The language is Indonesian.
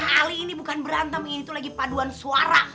hal ini bukan berantem ini lagi paduan suara